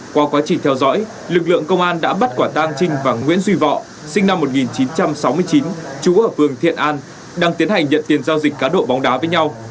qua quá trình theo dõi lực lượng công an đã bắt quả tang trinh và nguyễn duy vọ sinh năm một nghìn chín trăm sáu mươi chín chú ở phường thiện an đang tiến hành nhận tiền giao dịch cá độ bóng đá với nhau